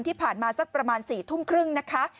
ที่ผ่านมาสักประมาณ๔ทุ่มครึ่งนะคะ